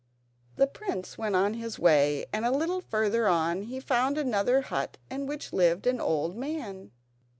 The prince went on his way, and a little further on he found another hut in which lived an old man.